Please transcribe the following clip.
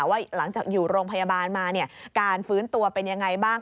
ว่าหลังจากอยู่โรงพยาบาลมาการฟื้นตัวเป็นยังไงบ้าง